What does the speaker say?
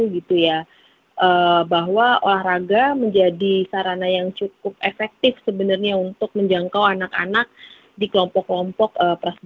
mungkin mbak jessica sebagai penutup ada yang ingin ditambahkan